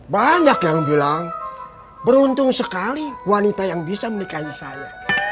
banyak yang bilang beruntung sekali wanita yang bisa menikahi saya